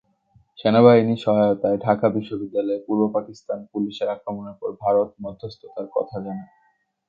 সেনাবাহিনীর সহায়তায় ঢাকা বিশ্ববিদ্যালয়ে পূর্ব পাকিস্তান পুলিশের আক্রমণের পর ভারত মধ্যস্থতার কথা জানায়।